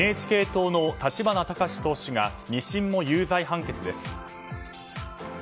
ＮＨＫ党の立花孝志党首が２審も有罪判決です。